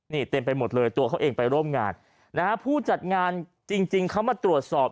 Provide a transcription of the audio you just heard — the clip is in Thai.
นี่เต็มไปหมดเลยตัวเขาเองไปร่วมงานนะฮะผู้จัดงานจริงจริงเขามาตรวจสอบ